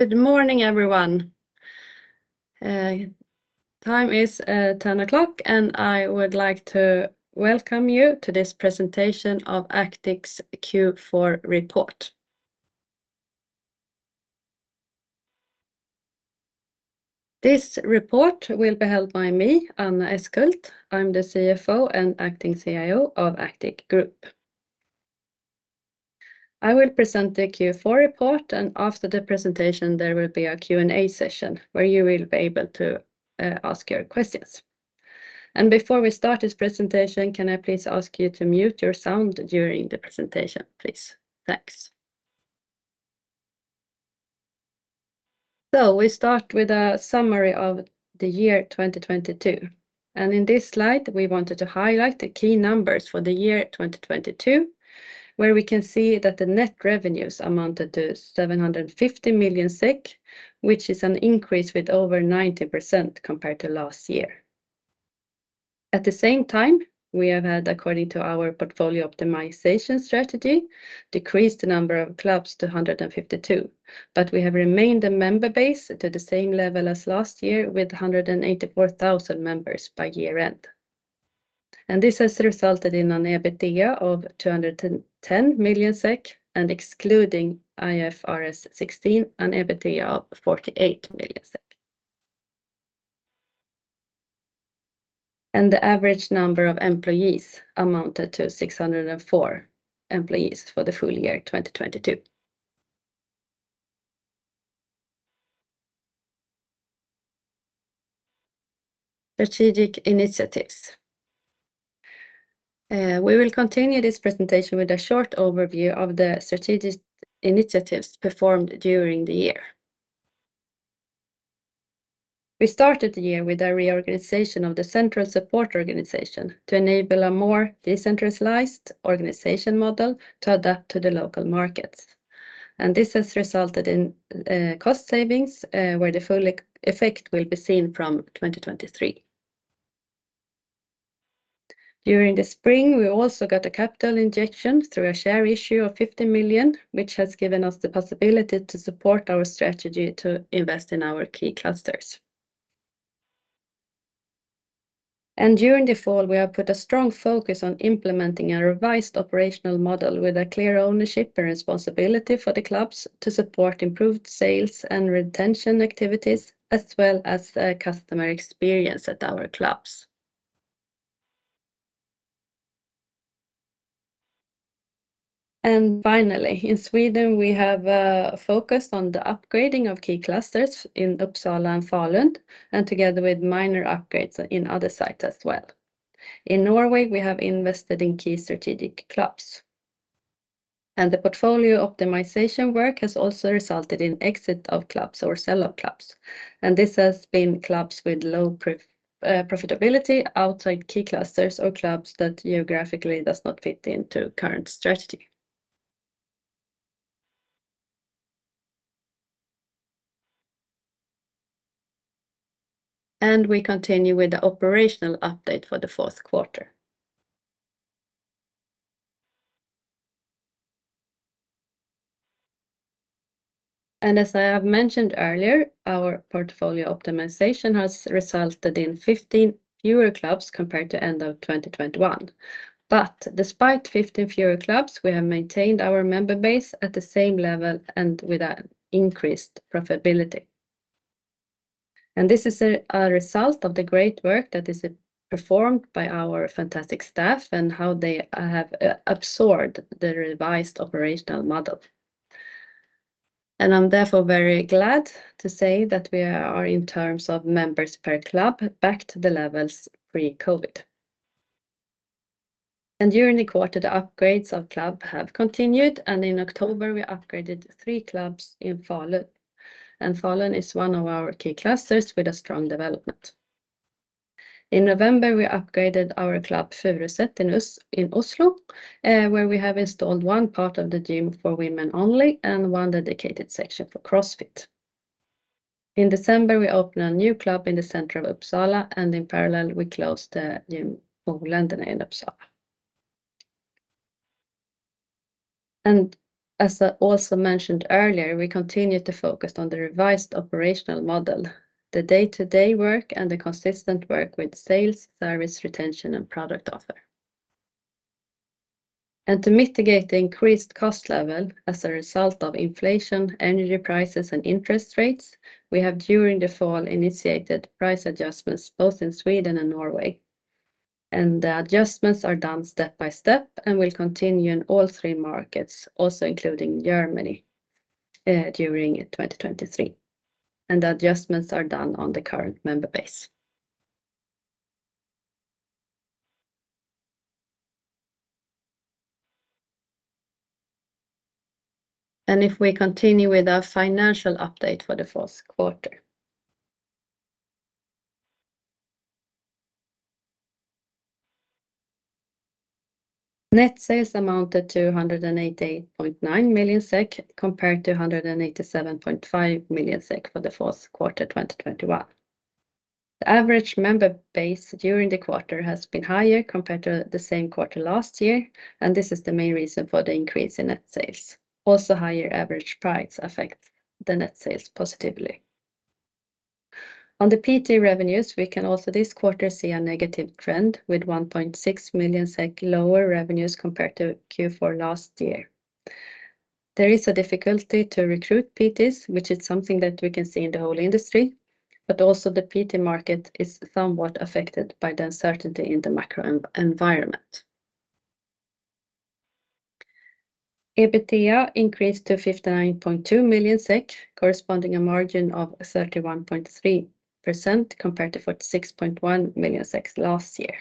Good morning, everyone. Time is 10:00 A.M., and I would like to welcome you to this presentation of Actic's Q4 report. This report will be held by me, Anna Eskhult. I'm the CFO and acting CEO of Actic Group. I will present the Q4 report, and after the presentation, there will be a Q&A session where you will be able to ask your questions. Before we start this presentation, can I please ask you to mute your sound during the presentation, please? Thanks. We start with a summary of the year 2022, and in this slide, we wanted to highlight the key numbers for the year 2022, where we can see that the net revenues amounted to 750 million SEK, which is an increase with over 90% compared to last year. At the same time, we have had, according to our portfolio optimization strategy, decreased the number of clubs to 152, but we have remained a member base to the same level as last year with 184,000 members by year-end. This has resulted in an EBITDA of 210 million SEK, and excluding IFRS 16, an EBITDA of 48 million SEK. The average number of employees amounted to 604 employees for the full year 2022. Strategic initiatives. We will continue this presentation with a short overview of the strategic initiatives performed during the year. We started the year with a reorganization of the central support organization to enable a more decentralized organization model to adapt to the local markets. This has resulted in cost savings, where the full effect will be seen from 2023. During the spring, we also got a capital injection through a share issue of 50 million, which has given us the possibility to support our strategy to invest in our key clusters. During the fall, we have put a strong focus on implementing a revised operational model with a clear ownership and responsibility for the clubs to support improved sales and retention activities, as well as the customer experience at our clubs. Finally, in Sweden, we have focused on the upgrading of key clusters in Uppsala and Falun, together with minor upgrades in other sites as well. In Norway, we have invested in key strategic clubs. The portfolio optimization work has also resulted in exit of clubs or sell of clubs, this has been clubs with low profitability outside key clusters or clubs that geographically does not fit into current strategy. We continue with the operational update for the fourth quarter. As I have mentioned earlier, our portfolio optimization has resulted in 15 fewer clubs compared to end of 2021. Despite 15 fewer clubs, we have maintained our member base at the same level and with an increased profitability. This is a result of the great work that is performed by our fantastic staff and how they have absorbed the revised operational model. I'm therefore very glad to say that we are, in terms of members per club, back to the levels pre-COVID. During the quarter, the upgrades of club have continued. In October, we upgraded 3 clubs in Falun. Falun is 1 of our key clusters with a strong development. In November, we upgraded our club, Furuset in Oslo, where we have installed 1 part of the gym for women only and 1 dedicated section for CrossFit. In December, we opened a new club in the center of Uppsala. In parallel, we closed the gym Boländernain Uppsala. As I also mentioned earlier, we continued to focus on the revised operational model, the day-to-day work, and the consistent work with sales, service, retention, and product offer. To mitigate the increased cost level as a result of inflation, energy prices, and interest rates, we have, during the fall, initiated price adjustments both in Sweden and Norway. The adjustments are done step by step and will continue in all three markets, also including Germany, during 2023, and the adjustments are done on the current member base. If we continue with our financial update for the fourth quarter. Net sales amounted to 188.9 million SEK compared to 187.5 million SEK for the fourth quarter 2021. The average member base during the quarter has been higher compared to the same quarter last year, and this is the main reason for the increase in net sales. Also, higher average price affects the net sales positively. On the PT revenues, we can also this quarter see a negative trend with 1.6 million SEK lower revenues compared to Q4 last year. There is a difficulty to recruit PTs, which is something that we can see in the whole industry, but also the PT market is somewhat affected by the uncertainty in the macro environment. EBITDA increased to SEK 59.2 million, corresponding a margin of 31.3% compared to 46.1 million last year.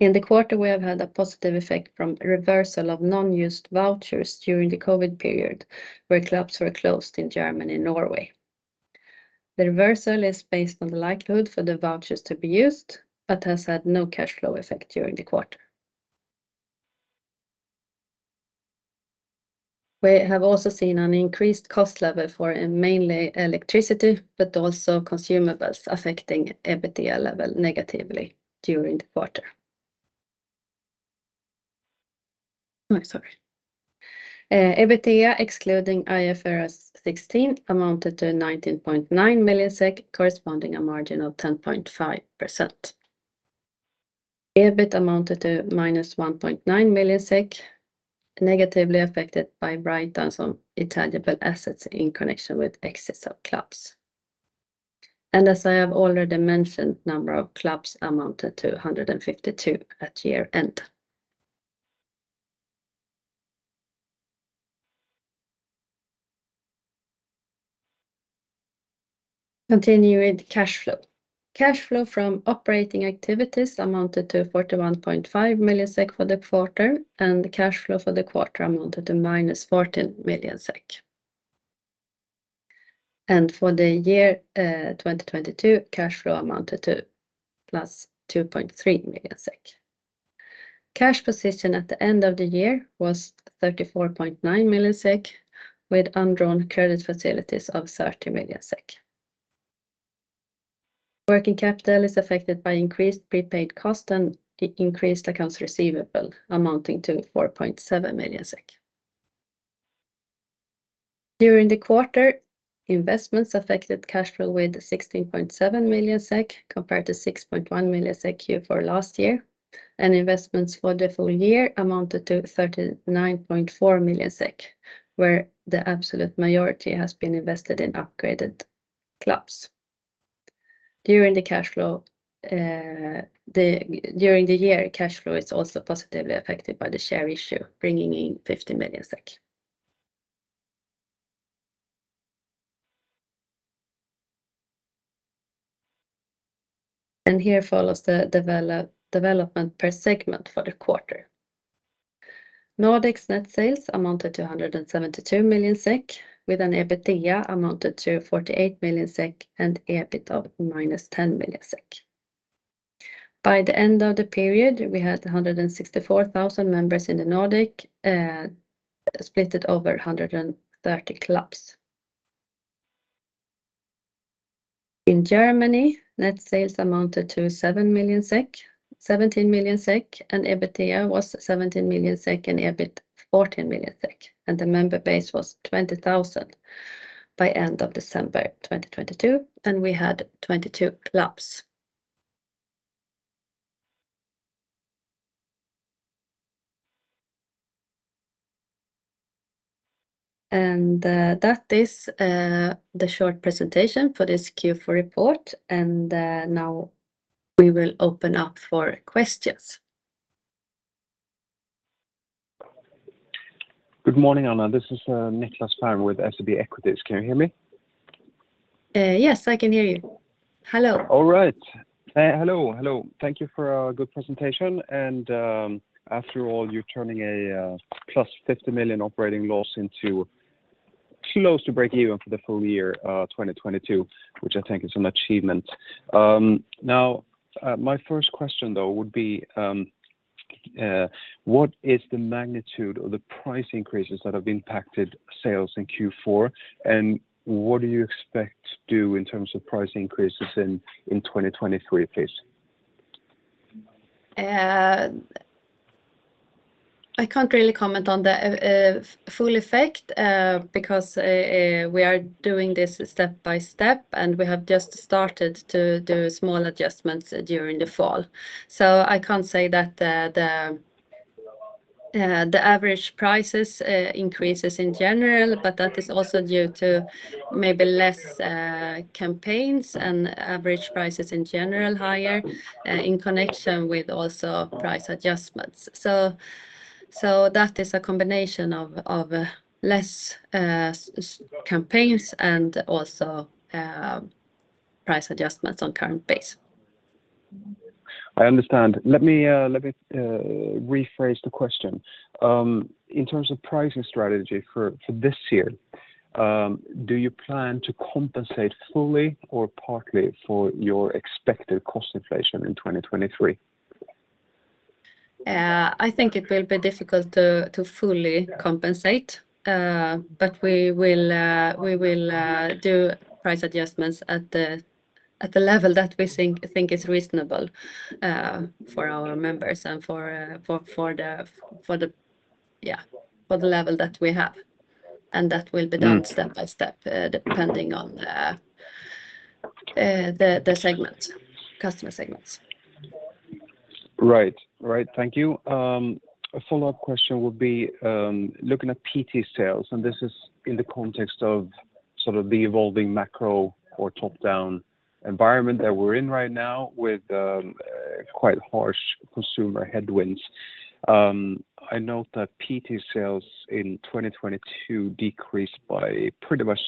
In the quarter, we have had a positive effect from reversal of non-used vouchers during the COVID period where clubs were closed in Germany and Norway. The reversal is based on the likelihood for the vouchers to be used, but has had no cash flow effect during the quarter. We have also seen an increased cost level for mainly electricity but also consumables affecting EBITDA level negatively during the quarter. I'm sorry. EBITDA excluding IFRS 16 amounted to 19.9 million SEK corresponding a margin of 10.5%. EBIT amounted to minus 1.9 million, negatively affected by write-downs on intangible assets in connection with exits of clubs. As I have already mentioned, number of clubs amounted to 152 at year-end. Continuing with cash flow. Cash flow from operating activities amounted to 41.5 million SEK for the quarter, the cash flow for the quarter amounted to minus 14 million SEK. For the year, 2022, cash flow amounted to plus 2.3 million SEK. Cash position at the end of the year was 34.9 million SEK with undrawn credit facilities of 30 million SEK. Working capital is affected by increased prepaid cost and increased accounts receivable amounting to 4.7 million SEK. During the quarter, investments affected cash flow with 16.7 million SEK compared to 6.1 million SEK Q4 last year. Investments for the full year amounted to 39.4 million SEK, where the absolute majority has been invested in upgraded clubs. During the year, cash flow is also positively affected by the share issue, bringing in 50 million SEK. Here follows the development per segment for the quarter. Nordic's net sales amounted to 172 million SEK with an EBITDA amounted to 48 million SEK and EBIT of minus 10 million SEK. By the end of the period, we had 164,000 members in the Nordic, split it over 130 clubs. In Germany, net sales amounted to 17 million SEK. EBITDA was 17 million SEK and EBIT 14 million SEK. The member base was 20,000 by end of December 2022, and we had 22 clubs. That is the short presentation for this Q4 report. Now we will open up for questions. Good morning, Anna. This is Nicklas Fhärm with SEB Equities. Can you hear me? Yes, I can hear you. Hello. All right. Hello, hello. Thank you for a good presentation. After all, you're turning a plus 50 million operating loss into close to break even for the full year 2022, which I think is an achievement. Now, my first question though would be, what is the magnitude of the price increases that have impacted sales in Q4, and what do you expect to do in terms of price increases in 2023, please? I can't really comment on the full effect because we are doing this step by step, and we have just started to do small adjustments during the fall. I can't say that the average prices increases in general, but that is also due to maybe less campaigns and average prices in general higher in connection with also price adjustments, so that is a combination of less campaigns and also price adjustments on current base. I understand. Let me rephrase the question. In terms of pricing strategy for this year, do you plan to compensate fully or partly for your expected cost inflation in 2023? It will be difficult to fully compensate. We will do price adjustments at the level that we think is reasonable for our members and for the level that we have. That will be done step by step, depending on the segments, customer segments. Right. Thank you. A follow-up question would be, looking at PT sales, and this is in the context of sort of the evolving macro or top-down environment that we're in right now with, quite harsh consumer headwinds. I note that PT sales in 2022 decreased by pretty much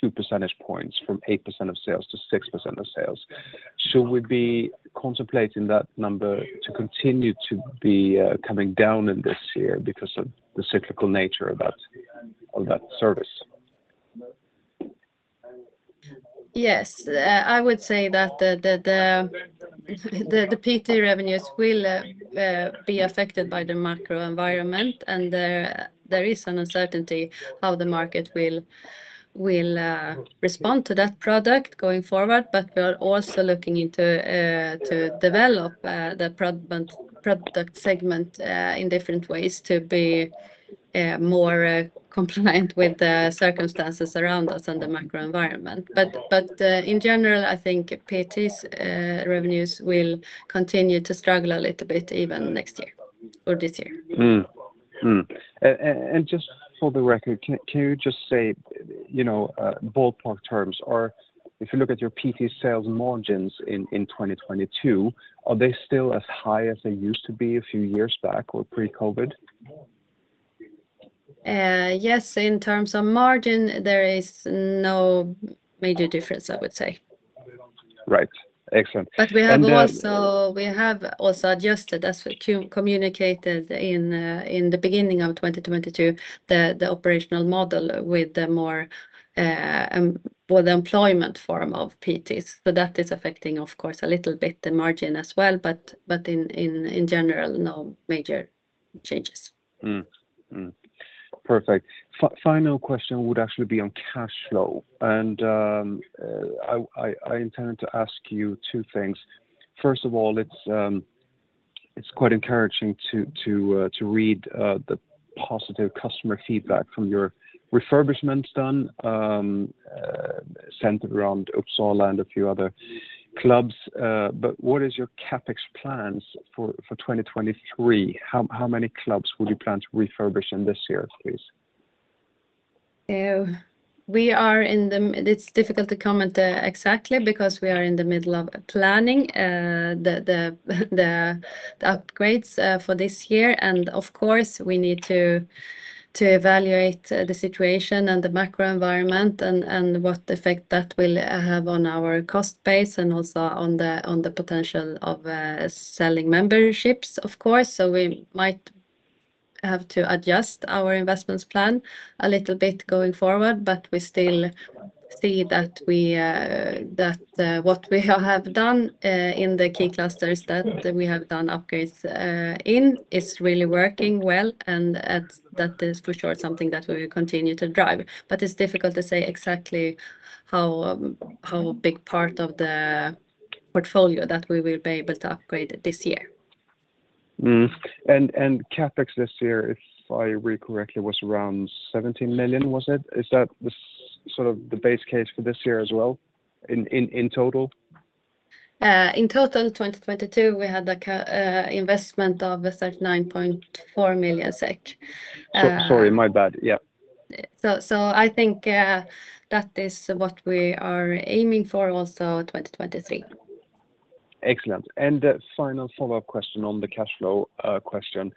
2 percentage points from 8% of sales to 6% of sales. Should we be contemplating that number to continue to be coming down in this year because of the cyclical nature of that service? Yes. I would say that the PT revenues will be affected by the macro environment, and there is an uncertainty how the market will respond to that product going forward. We are also looking into to develop the product segment in different ways to be more compliant with the circumstances around us and the macro environment. In general, I think PTs' revenues will continue to struggle a little bit even next year or this year. Just for the record, can you just say, you know, ballpark terms, or if you look at your PT sales margins in 2022, are they still as high as they used to be a few years back or pre-COVID? Yes. In terms of margin, there is no major difference, I would say. Right. Excellent. We have also adjusted, as we communicated in the beginning of 2022, the operational model with the more, well, the employment form of PTs. That is affecting, of course, a little bit the margin as well, but in general, no major changes. Perfect. Final question would actually be on cash flow, and I intend to ask you two things. First of all, it's quite encouraging to read the positive customer feedback from your refurbishments done, centered around Uppsala and a few other clubs. What is your CapEx plans for 2023? How many clubs will you plan to refurbish in this year, please? It's difficult to comment exactly because we are in the middle of planning the upgrades for this year. Of course, we need to evaluate the situation and the macro environment and what effect that will have on our cost base and also on the potential of selling memberships, of course. We might have to adjust our investments plan a little bit going forward, but we still see that what we have done in the key clusters that we have done upgrades in is really working well, and that is for sure something that we will continue to drive. It's difficult to say exactly how big part of the portfolio that we will be able to upgrade this year. CapEx this year, if I read correctly, was around 17 million, was it? Is that the sort of the base case for this year as well in total? In total, 2022, we had the investment of 39.4 million SEK. Sorry, my bad. Yeah. That is what we are aiming for also 2023. Excellent. A final follow-up question on the cash flow question.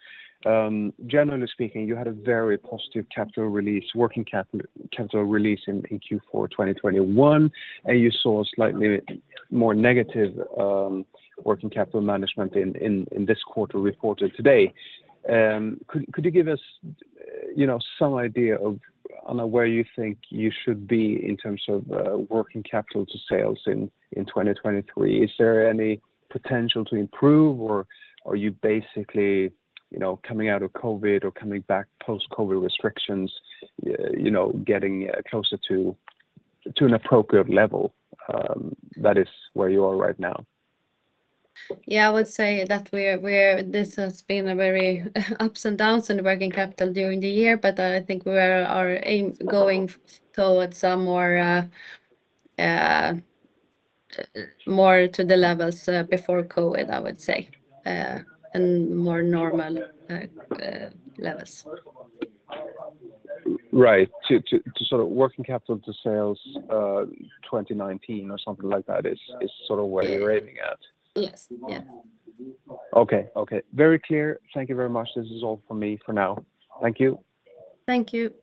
Generally speaking, you had a very positive capital release, working capital release in Q4 2021, and you saw a slightly more negative working capital management in this quarter reported today. Could you give us some idea of, I don't know, where you think you should be in terms of working capital to sales in 2023? Is there any potential to improve, or are you basically coming out of COVID or coming back post-COVID restrictions getting closer to an appropriate level that is where you are right now? I would say that This has been a very ups and downs in working capital during the year, I think we are going towards a more to the levels before COVID, I would say. In more normal levels. Right. To sort of working capital to sales, 2019 or something like that is sort of where you're aiming at. Yes. Yeah. Okay. Okay. Very clear. Thank you very much. This is all from me for now. Thank you. Thank you.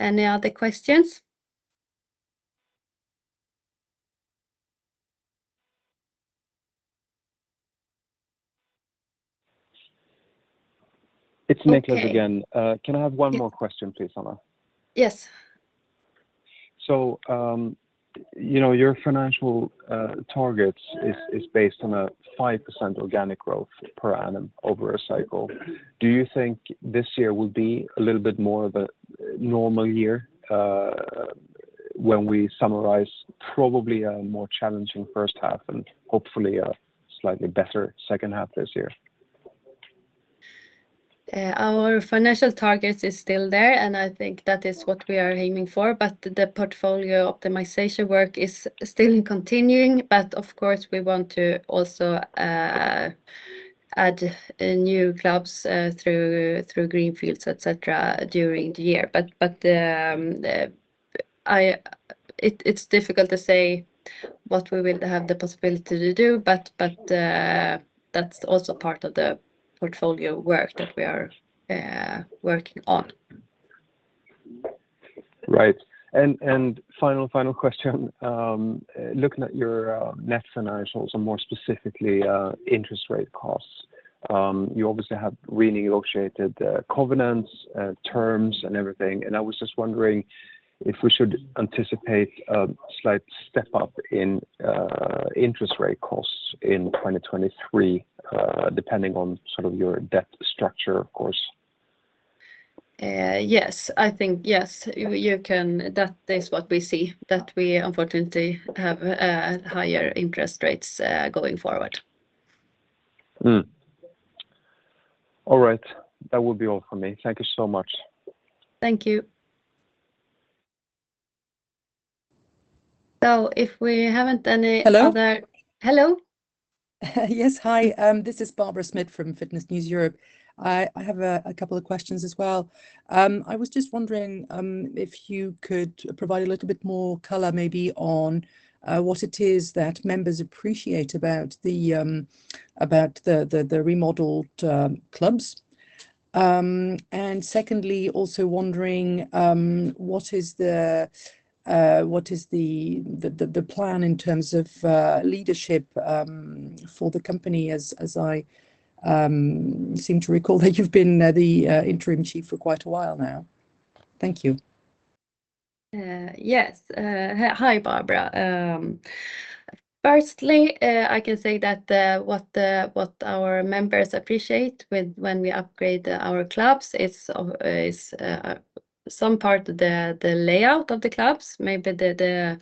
Any other questions? It's Nicklas again. Okay. Can I have one more question, please, Anna? Yes. Your financial targets is based on a 5% organic growth per annum over a cycle. Do you think this year will be a little bit more of a normal year, when we summarize probably a more challenging first half and hopefully a slightly better second half this year? Our financial target is still there. I think that is what we are aiming for. The portfolio optimization work is still continuing. Of course, we want to also add new clubs through greenfields, et cetera, during the year. But it's difficult to say what we will have the possibility to do, but that's also part of the portfolio work that we are working on. Right. Final question? Looking at your net financials and more specifically, interest rate costs, you obviously have renegotiated the covenants, terms, and everything, and I was just wondering if we should anticipate a slight step-up in interest rate costs in 2023, depending on sort of your debt structure, of course. That is what we see, that we unfortunately have higher interest rates going forward. All right. That would be all for me. Thank you so much. Thank you. If we haven't any other- Hello? Hello? Yes, hi. This is Barbara Smit from Fitness News Europe. I have a couple of questions as well. I was just wondering if you could provide a little bit more color maybe on what it is that members appreciate about the remodeled clubs. Secondly, also wondering what is the plan in terms of leadership for the company as I seem to recall that you've been the interim chief for quite a while now. Thank you. Yes. Hi, Barbara. Firstly, I can say that what our members appreciate with when we upgrade our clubs is some part the layout of the clubs, maybe the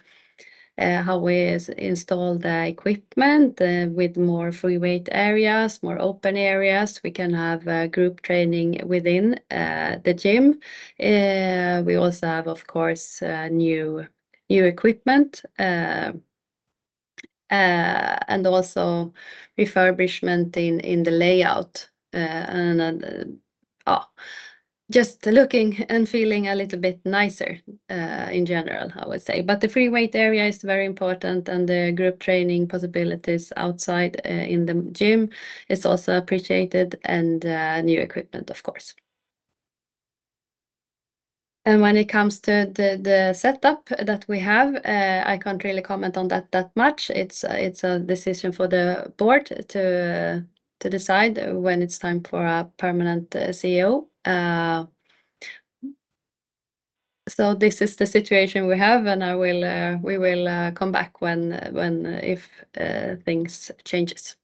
how we install the equipment with more free weight areas, more open areas. We can have group training within the gym. We also have, of course, new equipment and also refurbishment in the layout, just looking and feeling a little bit nicer in general, I would say. The free weight area is very important, and the group training possibilities outside in the gym is also appreciated, and new equipment, of course. When it comes to the setup that we have, I can't really comment on that that much. It's a decision for the board to decide when it's time for a permanent CEO. This is the situation we have, and we will come back when if things changes.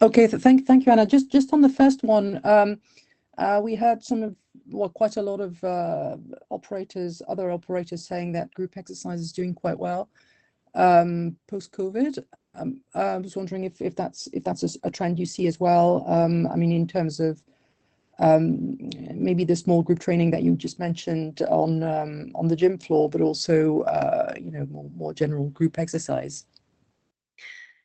Okay. Thank you, Anna. Just on the first one, we had some of... well, quite a lot of operators, other operators saying that group exercise is doing quite well post-COVID. I was just wondering if that's a trend you see as well, I mean, in terms of maybe the small group training that you just mentioned on the gym floor but also more general group exercise.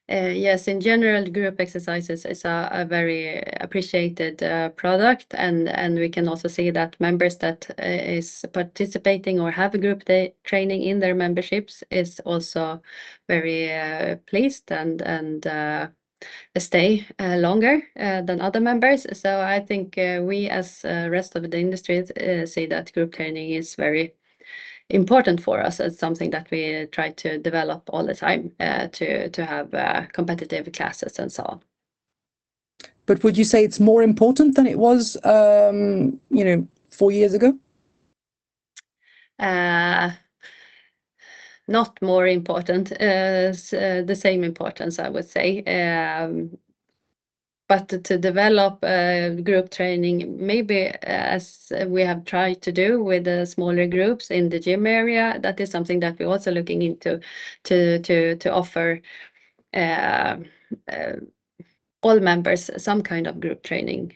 Yes. In general, group exercises is a very appreciated product and we can also see that members that is participating or have a group training in their memberships is also very pleased and stay longer than other members. We as rest of the industry see that group training is very important for us. It's something that we try to develop all the time to have competitive classes and so on. Would you say it's more important than it was, you know, 4 years ago? Not more important. The same importance, I would say. But to develop group training, maybe as we have tried to do with the smaller groups in the gym area, that is something that we're also looking into to offer all members some kind of group training,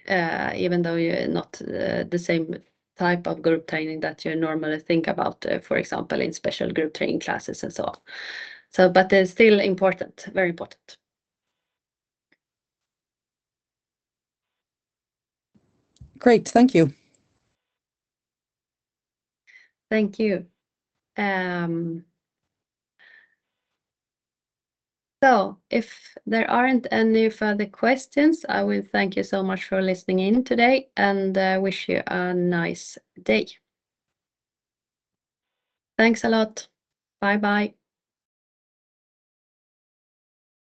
even though not the same type of group training that you normally think about, for example, in special group training classes and so on. But it's still important, very important. Great. Thank you. Thank you. If there aren't any further questions, I will thank you so much for listening in today and wish you a nice day. Thanks a lot. Bye-bye.